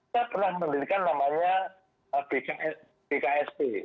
saya pernah menirikan namanya bksb